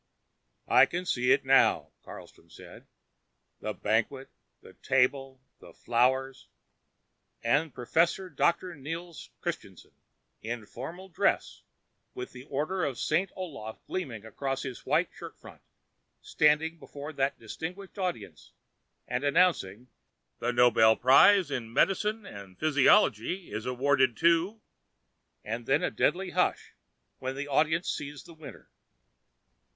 "I can see it now," Carlstrom said, "the banquet, the table, the flowers, and Professor Doctor Nels Christianson in formal dress with the Order of St. Olaf gleaming across his white shirtfront, standing before that distinguished audience and announcing: 'The Nobel Prize in Medicine and Physiology is awarded to ' and then that deadly hush when the audience sees the winner."